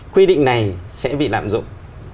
quy định này sẽ bị lạm dụng